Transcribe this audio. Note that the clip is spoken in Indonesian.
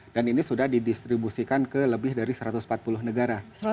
ini sudah didistribusikan ke lebih dari satu ratus empat puluh negara